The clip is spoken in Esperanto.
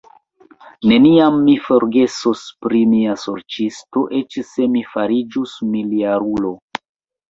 Neniam mi forgesos pri mia sorĉisto, eĉ se mi fariĝus miljarulo.